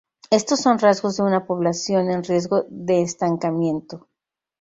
Estos son rasgos de una población en riesgo de estancamiento.